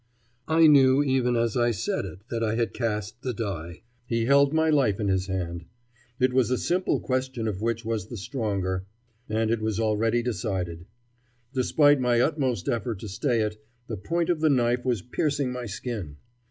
I knew even as I said it that I had cast the die; he held my life in his hand. It was a simple question of which was the stronger, and it was already decided. Despite my utmost effort to stay it, the point of the knife was piercing my skin.